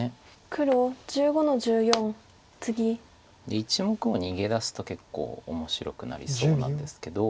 で１目を逃げ出すと結構面白くなりそうなんですけど。